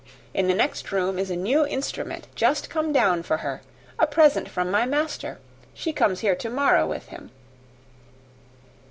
In the next room is a new instrument just come down for her a present from my master: she comes here to morrow with him."